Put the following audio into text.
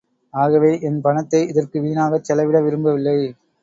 ஆகவே,... என் பணத்தை இதற்கு வீணாகச் செலவிட விரும்ப வில்லை.